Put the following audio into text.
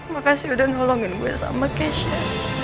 makasih udah nolongin gue sama keisha